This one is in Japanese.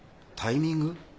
タイミング？